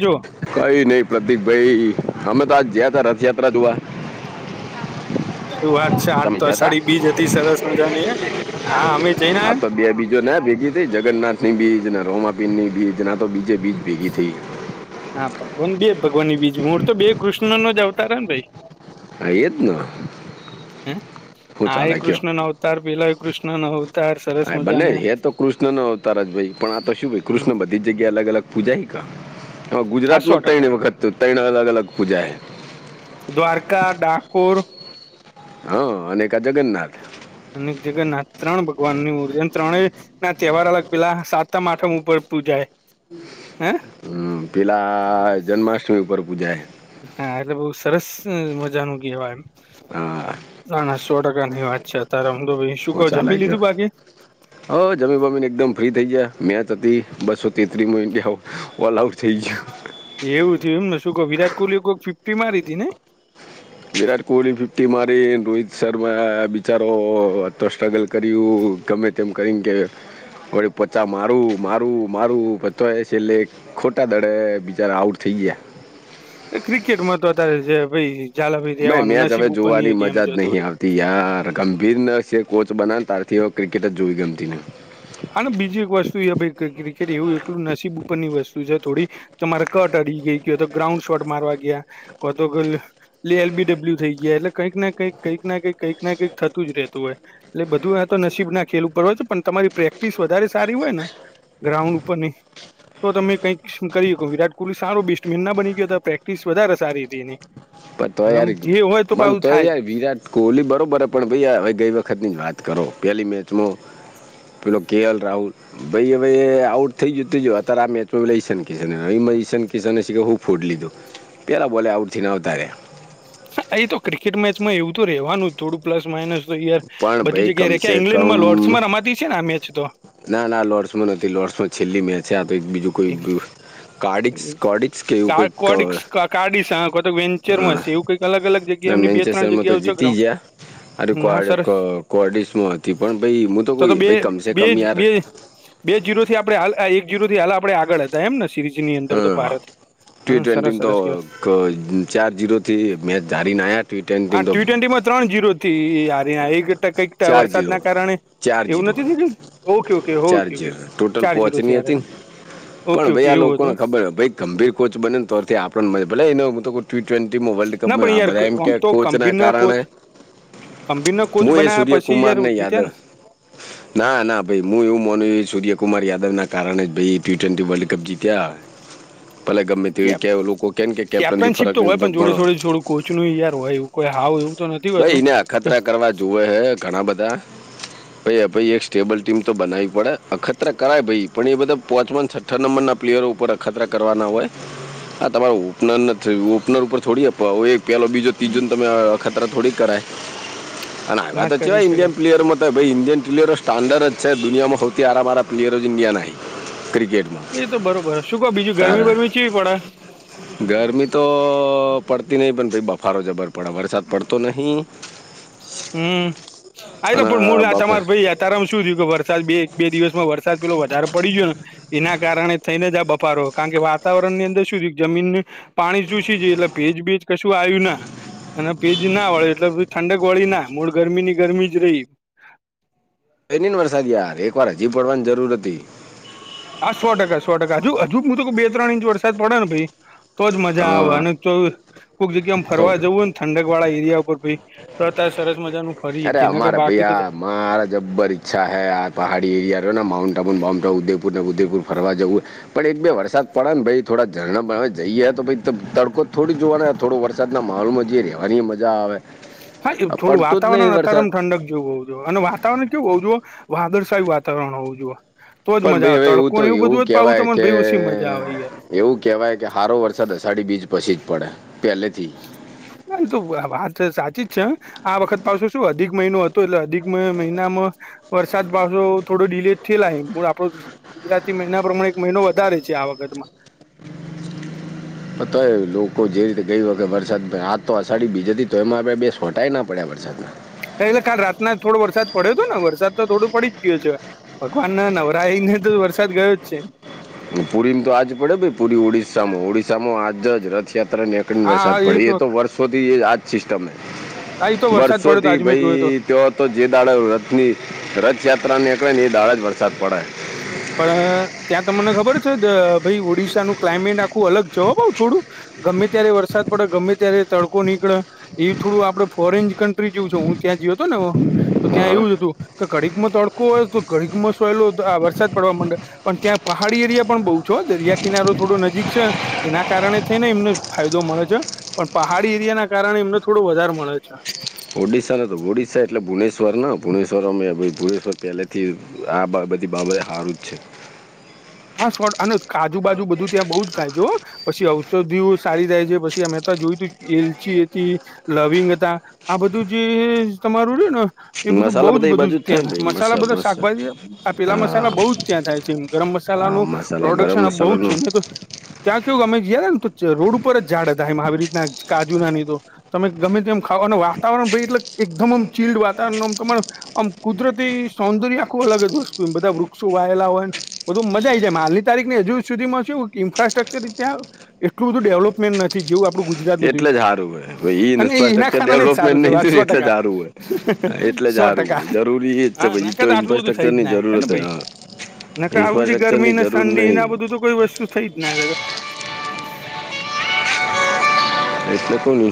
જોઓ કંઈ ની પ્રતીક ભાઈ હમે તો આજ જયા થા રથયાત્રા જોવા શું વાત છે આજ તમે તો ગયા હતા અષાઢી બીજ હતી સરસ મજાની, હા અમે જઈને આયા જો ના ભેગી થઈ જગન્નાથની બીજ ને રોમાપિંરની બીજ ના તો બીજે બીજ ભેગી થઈ હા, ભગવાન બે ભગવાન બીજું મૂળતો બે કૃષ્ણ નો જ આવતાર હન ભાઈ હા એ જ ન હ, આ એ કૃષ્ણનો અવતાર પેલા કૃષ્ણનો અવતાર સરસ હા, બંને મજાને હ તો કૃષ્ણનો અવતાર ભાઈ પણ આ તો શું છે હમ કૃષ્ણ બધી જગ્યાએ અલગ અલગ પૂજાય હ કા હા, સો ગુજરાતમાં ટકા તૈણી વખત તૈણ અલગ અલગ પૂજા દ્વારકા, ડાકોર હા, અને એક જગન્નાથ્ અનેક જગન્નાથ ત્રણ ભગવાનની મૂર્તિ અને ત્રણે‌ ના, તહેવાર અલગ પેલા સાતમ, આઠમ ઉપર પુંજાય, હે હ, પેલા જન્માષ્ટમી પર પૂજાય હા, એટલે બઉ સરસ મજાનું કહેવાય, હા એમ સો ટકા મનની વાત છે અત્યારે હું તો ભાઈ શું કેહ જમી લીધું બાકી હ, જમી બમીને એકદમ ફ્રી થઈ ગયા મેચ હતી બસો તેત્રીસ મો ઇડિયા ઓલ આઉટ થઈ ગયા એવું થયું એમને શું કો વિરાટ કોહલી કોઈક ફિફ્ટી મારી તી ને વિરાટ કોહલી ફિફ્ટી મારી, રોહિત શર્મા બિચારો અત્ર સ્ટ્રગલ કર્યું ગમે તેમ કરીને કે વળી પચા મારું, મારું, મારું, પણ તોય છેલ્લે ખોટા દડે બિચારા આઉટ થઈ ગયા ક્રિકેટમાં તો અત્યારે જે ભાઈ ઝાલા ભાઈથી મેં વાનું મેચ હવે નસીબ ઉપરની જોવાની એ ગેમ મજા જ છે નહીં થોડીક યાર, ગંભીર નસે કોચ બના ને તારથી ક્રિકેટ જ જોવી ગમતી નય હાલોન, બીજી એક વસ્તુ એ ભઈ ક્રિકેટ એવું એકલું નસીબ ઉપરની વસ્તુ છે થોડી તમારે કટ અડી ગઈ કે તો ગ્રાઉન્ડ શોટ મારવા ગયા કો તો કોઈ એટ એલ બી ડબલ્યુ થઈ ગયા એટલે કંઈક કંઈક કંઈક કઈ કઈક ના કઈક થતું જ રહેતું હોય એટલે, બધું એ તો નસીબના ખેલ ઉપર હોય છે પણ તમારી પ્રેક પ્રેક્ટિસ વધારે સારી હોય ન ગ્રાઉન્ડ ઉપરની તો તમે કઈક કરી શકો વિરાટ કોહલી સારો બેસ્ટમેન ના બની ગયો પ્રેક્ટિસ વધારે સારી હતી એની. પન તોય અને આમ યાર જે હોય તો મને પાછું તોય યાર થાય વિરાટ કોહલી બરોબર હ પણ ભાઈ હવે ગઈ વખતની જ વાત કરો પેલી મેચમાં પેલો કે એલ રાહુલ ભાઈ હવે આઉટ થઈ જતી અત્યારે આ મેચમાં પલે ઈશાન, કિશનમાં ઈશાન કિશન કે હું ફૂટ લીધું, પહેલાં બોલે આઉટથી ન આવતા રહ્યા. એ તો ક્રિકેટ મેચમાં એવું તો રહેવાનું થોડુંક પ્લસ માઇનસ તો યાર પણ બધી ભાઈ જગ્યા કમસે રેખ્યા કમ ઈંગ્લેન્ડમાં લોર્ડસમાં રમાતી છે ને આ મેચ તો ના ના લોર્સમાં નથી, લોર્ડસમાં છેલ્લી મેચ સ્યાં તો એક બીજું કોઈ કાર્ડિક્સ કોડિક્સ કે એવું કોઈક કાઢીશ આખો તો વેન્ચરમાં હશે એવું કઈક અલગ અલગ જગ્યા એમની બે ત્રણ જગ્યાઓ છે ગ્રાઉંડ. અરેડીસમાં હતી પણું તો કોઈ બે કમસે બે કમ યાર બે બે જીરોથી આપણે એક જીરોથી હાલ આપે આગળ હતા એમ સિરીઝની અંદર તો ભારત. ટી હમ સરસ ટ્વેન્ટી તો સરસ કેવાય ચાર જીરો થી મેચ ધારીને આવ્યા. આ ટ્વેન્ટી તો ટી ટવેન્ટીમાં ત્રણ જીરો કઈક ચાર જીરો વરસાદના કારણે એવું નથી થય ગયુ okay okay. Okay charge okay total ચાર જીરો થી પહોંચની હતી હારેલા ને પણ ઓકે ઓકે ભાઈ આ એવું હતું લોકોને એમ. ખબર ભઈ ગંભીર કોચ બનેને તારથી આપ મ ભલે એ ટી ટ્વેન્ટી વર્લ્ડ કપ ના પણ આ યાર બધા ક- એમ કે આમ તો કોચ મના ગંભીરના કારણે કોચ ગંભીરના કોચ હું એ બનાયા પછી યાર સૂર્યકુમારને જીત્યા યાદવ ને ના ના ભાઈ. હું એવું માનું કે સૂર્યકુમાર યાદવના કારણે જ ભાઈ એ ટી ટ્વેન્ટી વર્લ્ડ કપ જીત્યા. પલા ગમે તે કે લોકો કે કે કેપ્ટનથી ફરક નહ પ ગણો કોચ નું યાર હોય એવું કોઈ આવ એવું. તો નથી ભાઈ હોતું એને કે અખતરા કરવા જોવે હે ઘણા બધા. ભ ભાઈ એક સ્ટેબલ ટીમ તો બનાવી પડે અખત્ર કરાય ભાઈ પણ એ બધા પોચવાન, અઠ્ઠ નંબર ના પ્લેયરો ઉપર અખતરા કરવાના હોય. આ તમારો ઓપનર ઓપનર ઉપર છોડી આપ પેલો બીજો. તજ તમે ખતરા થોડીક કરાય અને ના જ કરી આવ્યાત ઇન્ડિયન શકાય પ્લેયર, ભાઈ ઇન્ડિન ટીલેર સ્ટાર્ન્ડડ જ છે દુનિયામાં સૌથી આરામમારા પ્લેયર ઇન્ડિયા નં એ તો બરોબર શું કહ બીજું ગરમી તારા બરમી ચીવી પડ? ગરમી તો પડતી નહી પણ પ બફારો જબર પડે વરસાદ. પર તો નહીં. હમ હ તો અને પણ મૂળ બફાર તમારે ભાઈ યા તારામાં શું થયું કે વરસાદ બે બે દિવસમાં વરસાદ. પેલો વધારે પડી ગયો ને એના કારણે, થઈને જ બપારો કારણ કે વાતાવરણ ની અંદર શું જમીન. પાણી ચુસી જાય એટલે ભેજ ભેજ કશું આવ્યું ના અને ભેજ ના વળે એટલેધ ઠંડક કોળી ના મૂળ ગરમી ની ગરમી જ રહી. કઈ નહી ને વરસાદ યાર એક વાર હજી પડવાની જરૂર હતી. હા સો ટકા સો ટકા હજુ હજુ હું તો બે ત્રણ ઇંચ વરસાદ પડે ને ભાઈ તોજ મજા તો આવે અને, તો કોઈક જગ્યામ તો ફરવા જવું ને ઠંડક વાળા એરિયા ઉપર ભી તો અત્યારે સરસ મજાનું. અરે ખરી કે ના કે અમારે બાકી તો, ભૈયા મારા જબર ઈચ્છા હ આ પહાડી એરિયાો ને માઉન્ટ આબુન બમ ઉદેપુર ને ઉદેપુર ફરવા જવું. પણ એક બે વરસાદ પડે ને ભ થોડા ઝરણા જઈએ તો તડકો થોડી જોવાના. થોડો વરસાદના માહોલમાં જે રહેવાની મજા આવે. હા એ આ થોડું પડતો જ નહીં વાતાવરણ વરસાદ અત્યારેમ ઠંડક, જો હોઉ જો અને વાતાવરણ કેવું હોઉું જોએ વાદળછાયી વાતાવરણ હોવું જોએ. તોજ પણ મજા ભાઈ આવે હવે તડકો તો ને એવું બધું જ પાવું કહેવાય તને કે ભાઈ ઉછી મજા આવે યાર, એવું કહેવાય કે હારો વરસાદ અષાઢી બીજ પછી જ પડે પહેલેથી. ના તો વાત સાચી જ છે. આ વખત પાશે શું અધિક મહિનો હતો એટલે અધિક મહિનામાં. વરસાદ પાસો થોડો ડીલે થયે પણ આપડો. ગુજરાતી મહિના પ્રમાણે એક મહિનો વધારે છે આ વખતમાં. તો એ લોકો જે રીતે ગઈ વખત વરસાદ આ તો અષાઢી બીજાથી તો એમાં આપડ બેસોટા ના પડ્યા વરસાદમાં. એટલે ખાલ રાતના થોડો વરસાદ પડ્યો હતો ને વરસાદ તો થોડો પડી જ ગયો છે. ભગવાન ના નવરાઈ ને તો વરસાદ ગયો જ છે. પુરી ને તો આજ પડે પુરી ઓડિશામાં ઓડિશામાં આજ જ રથયાત્રાને કન વરસાદ પડી એ તો વર્ષોથી આજ સિસ્ટમ છે, હા એ તો વરસાદ પડ્યો તો વર્ષોથી આજે મેં જોયો હતો ભાઈ તો તો જે દાળે રથની રથયાત્રા નીકળે ને એ દાળે જ વરસાદ પડે, પણ ત્યાં તમને ખબર છે, ભાઈ ઓડિશા નું ક્લામેટ. આખું અલગ જવાબ આવ થોડું ગમે ત્યારે વરસાદ પડે ગમે ત્યારે તડકો નીકળે. એ થોડું આપડે ફોરેન કન્ટ્રી જેવું છ હું ત્યાં જયો હતો ને હ તો હા ત્યાં હા એવું જ હતું કે કડીકમાં તડકો હોય તો, કડીક માં સોયલો. વરસાદ પડવા માંડ પણ ત્યાં પહાડી એરિયા પણ બહુ છો દરિયા કિનારો થોડો નજીક છે. એના કારણે થઈને એમને ફાયદો મળે છે. પણ પહાડી એરિયા ના કારણે એમને થોડો વધારે મળે છે. ઓડિશાને તો ઓડિશા એટલે ભુનેશ્રને ભુવનેશ્વર અમે ભ ભુનેશ્વર પહેલેથી. આ બધી બાબતે સારું જ છે. હા શોટ અને કાજુ બાજુ બધું ત્યાં બઉુ જ થાય જો પછી ઔષધિઓ સારી થાય છે પછી અમે તો જોયું તું એલચી એ લવિંગ હતા આ બધું જે તમારું રે ને એ બધું મસાલા બઉુ જ બધા એ બધું જ બાજુ થાય ને ત્યાંય ભાઈ મસાલા મસા બધા મસ્ત શાકભાજી આ પેલા મસાલા હા બઉુ જ ત્યાં થાય છે, મ ગરમ મસા હા મસાલાનું મસાલા ગરમ પ્રોડક્શન બહુ જ મસાલાનું છે, તો ત્યાં કેવું અમે ગયા ને રોડ ઉપર જ ઝાડ હતા એમાં આવી રીતના કાજુ ના નહી તો તમે ગમે તેમ ખાવઓ અને વાતાવરણ ભાઈ એટલે એકદમમ ચીલ્ડ વાતાવરણમ તમારે આમ કુદરતી સૌંદર્ય આખું અલગ જ, વસ્તુ એ બધા વૃક્ષો વાયેલા હોય ને બધ મા આવી જાય હાલની તારીખને હજુ સુધીમાં શું ઇન્ફ્રાસ્ટ્રક્ચર એટલું બધું ડેવલપ નથી જેવું આપડું ગુજરાત એટલે જ સારું હોય ભાઈ નયું અને એ હના ઇન્ફ્રાસ્ટ્રક્ચર ખાના જ ડેવલપમેન્ટ સારું છે, નહીં થયું વાસવા ટકા ને એટલે જ સારું હોય એટલે જ સો સારું ટકા હોય જરૂરી એ જ છે હા ભાઈ નક તો આટલું બધું થઈ ઇન્ફ્રાસ્ટ્રક્ચરની જ નાે ને જરૂરત હે ભાઈ હા આવી બધી ગરમી ઇન્ફ્રાસ્ટ્રક્ચરની ને જરૂર ઠંડીને નહીં બધું તો કોઈ વસ્તુ થઈ જ ના એટલે કોઈ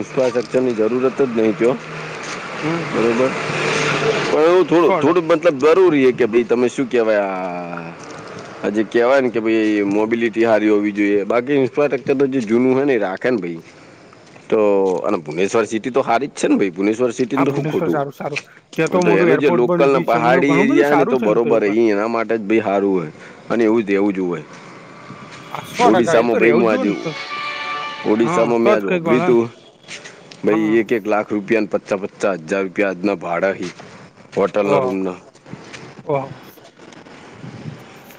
ઇન્ફ્રાસ્ટ્રકચર ની જરૂરત જ નથી આપી હમ્મ બર પણ એવું થોડું ટકા થોડું મતલબ જરૂરી છે, કે ભાઈ તમે શું કેહેવાય આ આ જે કેવાય ને કે ભ મોબિલિટી સારી હોવી જોઈએ બાકી ઇન્ફ્રાસ્ટ્રક્ચર તો જે જૂનું હો ને રાખ કે ભાઈ તો અને ભુનેશ્વર સિટી તો સારી જ છે, ને ભ ભુશ્વર સ હા તો ભુવનેશ્વર ખોટું સારું સારું ત્યાં તો મોટું એનું જે એરપોર્ટ પણ લોકલ બી છે એમ પહાડી ઘણું બધું એરિયા ને સારું તો છે એમ બરોબર એવું એના માટે જ ભ સારું હોય અને એવુંદુજ હોય ક સો ટકા એ ઓડિશામાં તો રેવું ભાઈમ જ જોએ ને આજું તો હા ઓડિશામાં તો મેં જ આજ કઈક હોભળ્યું ગણે ને તું ભાઈ હા એક એક લાખ રૂપિયાને પચાસ તો હજાર રૂપિયા અદના ભાડાહી ઓ ઓ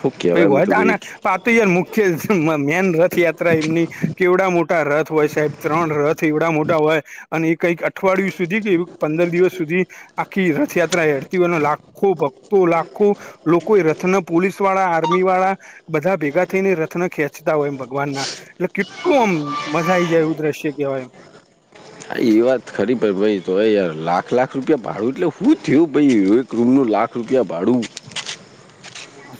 શું પ કહેવાય હું હોય તો કોઈ આના તો યાર મુખ્ય મેન રથયાત્રા એમની કેવડા મોટા રથ હોય સાહેબ ત્રણ રથ એવડા મોટા હોય અને એ કઈક અઠવાડિયું સુધી કે પંદર દિવસ સુધી આખી રથયાત્રા હડતી હોય લાખો તો લાખો લોકો રથના પોલીસ વાળા આર્મીવાળા બધા ભેગા થઈને રત્ન ખેંચતા હોય એમ ભગવાન ના એટલે કેટલું આમ મજા આઈ જાય એવું દ્રશ્ય કવાય એમ, એ વાત ખરી પ ભાઈ તો યાર લાખ લાખ રૂપિયા ભાડું એટલે હું થયું ભ ક રૂમનું લાખ રૂપિયા ભાડું.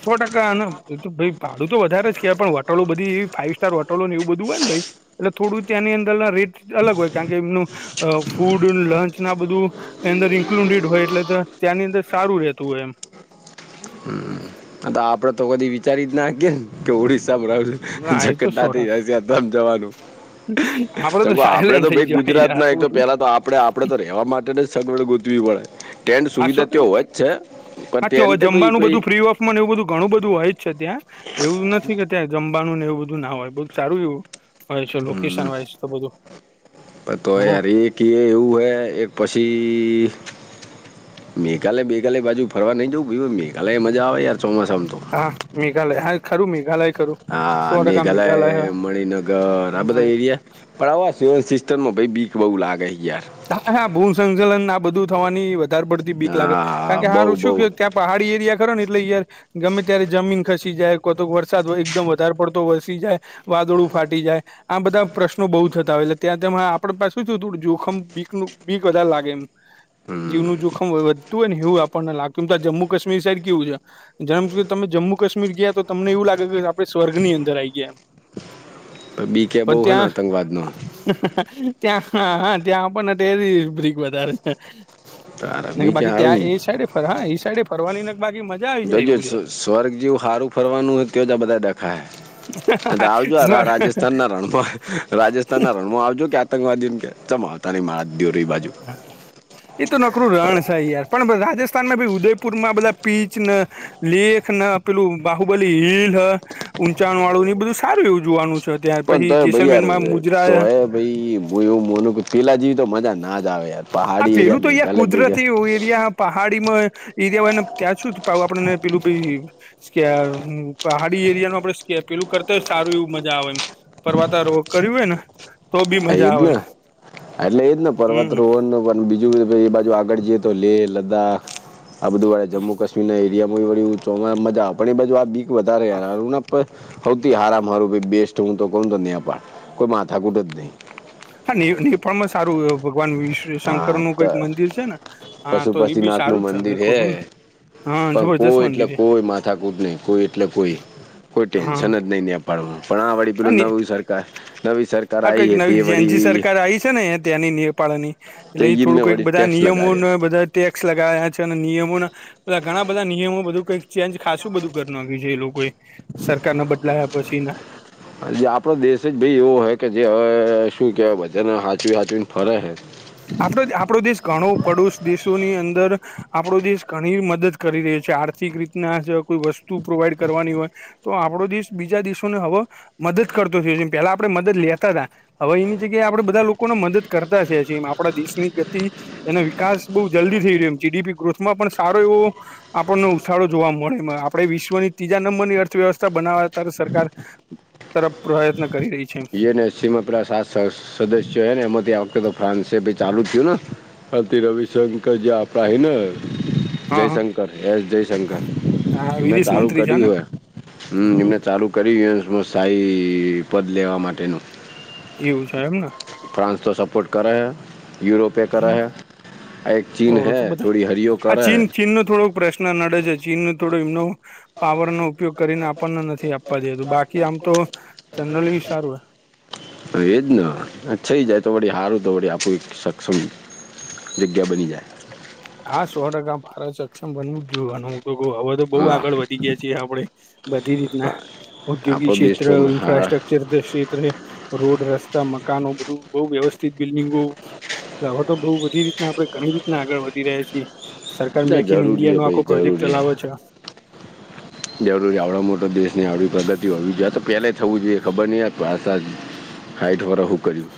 સો ટકા ને એ ભાઈ ભાડું તો વધારે જ કવાય પણ હોટલો બધી એવી ફાઈવ સ્ટાર હોટલો ને એવું બધું હોય ને ભાઈ. એટલે થોડું ત્યાંની અંદર ના રેટ અલગ હોય કારણ કે એમનું ફૂડ લંચ ના બધું. એ અંદર ઇન્ક્લુડેડ હોય એટલે ત્યાંની અંદર સારું રહેતું હોય એમ, [unintelligible] આપડે તો કધી ર રીત નાખી ને કે ઓડિશસા માં રહ ના છું એ તો જટતા સો થ ટકા જશેમ જવાનું ત તો આપડે તો સાયલેન્ટ થઈ ભાઈ જવાય ગુજરાત યાર ના એક આટલું તો બધું પેલા તો આપડે આપણે તો રહેવા માટે ને જ સગવડ ગોતવી પડે ટેન્ટ હા સુવિધા સો તો ટકા હોય જ છે પણ હા ટેન્ટ ત્યાં પી જમવાનું પ બધું ફ્રી ને એવું બધું ઘણું બધું હોય જ છે, ત્યાં એવું નથી કે ત્યાં જમવાનું ને એવું બધું ના હોય બુ સારું એવું વાય છે હમ લોકેશન વાય છે, તો બધું હમ્મ કે એવું હય એક પછી મે કાલે બે કાલે બાજુ ફરવા નહી જઉં ભ મે કાલે મજા આવે ર ચોમાસામ તો. હા મેઘાલય હા ખરું મેઘાલય, ખરું હા સો ટકા મેઘાલય મણિનગર આ બધા એરિયા. બવા સયોન સિસ્ટમમાં ભ બીખ બઉુ લાગે હયાર, હા હા ભૂ સંચલન આ બધું થવાની વધારે પડતી બીક લાગે કારણ હા કે બહુ હ શું બહુ ક ત્યાં. પહાડી એરિયા ખરો ને એટલે યાર ગમે ત્યારે જમીન ખ, જાય તો વરસાદ એકદમ વધારે પડતો વરસી જાય. વાદળું ફાટી જાય આ બધા પ્રશ્નો બહુ થતા હોય એટલે ત્યાં તેમ આપણે પાસેું થયું હતુંજોખમ. બીક નું બીક વધારે લાગે એમ, હમ. જીવનું જોખમ વધુંય ને એવું આપણને લાગત્યું એમ તો આ જ્મુ કાશ્મીર સાઈડ કેવું છે. જેમ કે તમે જમ્મુ કાશ્મીર ગયા તો તમને એવું લાગે કે આપણે સ્વર્ગ ની અંદર આવી ગયા એમ. બીકે બહુ પણ હે ને ત્યાં. આતંકવાદનો ત્યાં હા હા ત્યાં આપણને તેરી બ્રક વધારે છે. તારા ને બીકે બાકી સારું ત્યાં એ સાઈડે ફર હા એ સાઈડે ફરવાની ને બાકી મસ્. જોજ સ્વર્ગ જેવું સારું ફરવાનું હોય તો જ બધા દેખાય. એ આવજોાર રાજસ્થાન ના રણભો. રાજસ્થાન ના ર આવજો કે આતંકવાદી ને કે ચ આવતા ન મા દ ર બાજુ. એ તો નકરું રણ છે યાર પણ રાજસ્થાનમાં ભી ઉદયપુર માં બધા પીચ. લેખ ના પેલું બાહુબલી હિલ ઊંચાણ વાળું બધું સારું એવું જોવાનું છે. યાર પછી જેૈસર મેનમા મુજરા. ભાઈ હું એવું મોનું કે પેલા જેવી તો મજા ના જ આવેાર. આ પેલું તો અહયા કુદરતી એરિયા. પહાડી માં એરિયા હોય ને ત્યાં શુંું આપડને પેલું ભાઈ. સ્ પહાડી એરિયા ન આપડે સ્કે પેલું કરતા હોય સારું એવું મજા આવે એમ. પરવાતા રોગ કર્યું હોય ને. તો બી એજ મજા આવે ને એમ એટલે એજ ને પર્વત હમ રો. બીજું એ બાજુ આગળ જઈએ તો લેહ લદ્દાખ આ બધું વાળે જમ્મુ ક્મી. એરિયામાંળો મજા આપણ એ બાુ આ બીક વધારે યાર. સવથી હારમ હારું ભ બેસ્ટ હું તો કું તો નેપાર કોઈ માથાકૂટ જ નહીં. હા પણમાં સારું. ભગવાન વિશ્વ શંકર હા નું તો કઈક મંદિર છે ને હા તો એ બી પશુપતિનાથનું સારું જ છે મંદિર ક હે ખોટુંને. પણ કોઈ એટલે કોઈ માથાકૂટ નહી કોઈ એટલે કોઈ કોઈ હા ટેન્શન જ નહી આપ. પડ પણ આ વડીપી ન અને સર. આ કંઈક નવી જનજી વળી સરકાર આવી છે ને ત્યાંની નેપાળની. એટલે તે એ એમને થોડું કઈક વળી બધા ટેક્સ નિયમો લગાડ્યો બધા ટેક્સ લગાવ્યા છે અને નિયમોના. બા ઘણા બધા નિયમો બધું કઈક ચેન્જ ખાસું બધું કરખ્યું છે એ લોકોએ સરકાર નાો બદલાયા પછી ના. જે આપડો દેશ જ ભાઈ એવો હ કે જે હવે શું કેવાય વજન હાચવી હાચને ફરે હે. આપડો આપણો દેશ ઘણો પડોશ દેશોની અંદર આપડો દેશ ઘણી મદદ કરી રહ્યો છે આર્થિક રીતના કોઈ વસ્તુ પ્રોવાઈડ કરવાની હોય તો આપણો દેશ બીજા દેશોને હવે, મદદ કરતો છે, પેલા આપણે મદદ લેતા હતા હવે એની જગ્યાએ આપડે બધા લોકોને મદદ કરતા છે. જેમ આપણા દેશની ગતિ એનો વિકાસ બહુ જલ્દી થઈ રહ્યો એ જીડીપી ગ્રોથમાં પણ સારો એવો. આપણને ઉછાળો જોવા મળે, આપણેે વિશ્વની ત્રીજા નંબરની અર્થવ્યવસ્થા બનાવ ત્યારે સરકાર. તરફ પ્રયત્ન કરી રહી છે. સીમાં પેલા સાત સદસ્યો છે, ને એમાંથી આ વખતે તો ફ્રાન્સ ચાલુ થયુંને. અતી રવિશંકર જે આપડા હૈ ને જય હા હા શંકર એસ જયશંકર હા મેં વિદેશ ચાલુ મંત્રી છે ને કર્યું હ હમ એમને ચાલુ કરી શહી પદ લેવા માટેનું એવું છે એમને ફ્રાન્સ તો સપોર્ટ કરે હય યુરોપે હમ કરા હૈ એક ચીન હૈ થોડી હરિયો કરા હૈ ોકશન નડે છે ચીન થોડું એમનો પાવર નો ઉપયોગ કરીને આપણને નથી આપ આપવા દ બાકી આમ તો ચનલ સારું હ હ એજ ને થઇ જાય તો વળી હારું તો વળી આપું સક્ષમ જગ્યા બની જાય હા સો ટકા ફાર સક્ષમ બનવું જ જોયવાનું હું તો કઉ હવેજ તો બહુ હા આગળ વધી ગયા છીએ આપડણે બધી રીતના ઉદ્યોગિક આપણો દેશ ક્ષેત્ર તો હા ન્ફ્રાાસસ્ટ્રક્ચર ક્ષેત્રે રોડ રસ્તા મકાનો બધું બઉ વ્યવસ્થિત બિલ્ડિંગો હવા તો બઉ બધી રીતના આપણે ઘણી રીતના આગળ વધી રહ્યા છીએ. સરકાર બધા મેકઇન જરૂરી હે ઈન્ડિયાનો ભાઈ આખો પ્રોજેક્ટ જરૂરી હે ચલાવે છે. જરૂરી આવડો મોટો દેશની આવડી પ્રગતિઓ હોવી જોઈએ, તો પહેલા થવું જોઈએ ખબર નહીં આ ભાષા જ. હાઈટવારા હું કર્યું.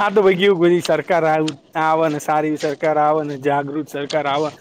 આ તો ભાઈ કેવું સરકાર આવે ને સારી સરકાર આવે ને જાગૃત સરકાર. કરવા.